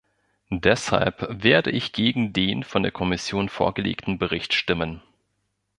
Deshalb werde ich gegen den von der Kommission vorgelegten Bericht stimmen.